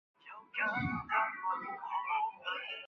但后来开设办事处一事不但束之高阁。